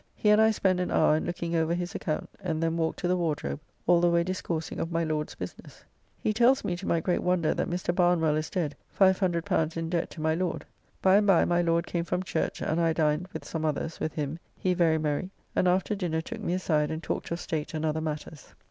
He and I spend an hour in looking over his account, and then walked to the Wardrobe, all the way discoursing of my Lord's business. He tells me to my great wonder that Mr. Barnwell is dead L500 in debt to my Lord. By and by my Lord came from church, and I dined, with some others, with him, he very merry, and after dinner took me aside and talked of state and other matters.